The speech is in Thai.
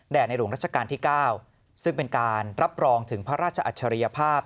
ในหลวงรัชกาลที่๙ซึ่งเป็นการรับรองถึงพระราชอัจฉริยภาพ